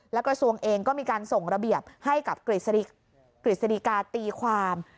และกระทรวงเองก็มีการส่งระเบียบให้กับกฤษฎีกาตีความ